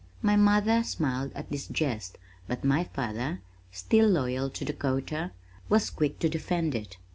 My mother smiled at this jest, but my father, still loyal to Dakota, was quick to defend it.